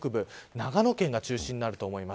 長野県が中心になると思います。